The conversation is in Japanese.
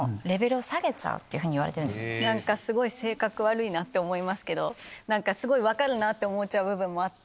何かすごい性格悪いなって思いますけどすごい分かるなって思っちゃう部分もあって。